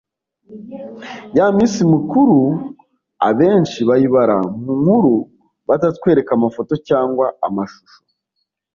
ya minsi mikuru abenshi bayibara mu nkuru batakwereka amafoto cyangwa amashusho